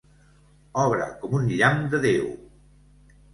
Obra, com un llamp de Déu!